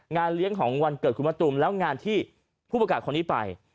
งานเลี้ยงของวันเกิดคุณมะตูมแล้วงานที่ผู้ประกาศคนนี้ไป